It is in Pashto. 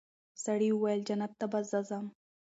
سړي وویل جنت ته به زه ځمه